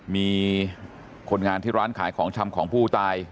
มีคนงานที่ร้านขายของชำของผู้ตาย